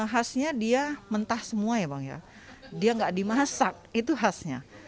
hasnya dia mentah semua ya bang ya dia gak dimasak itu hasnya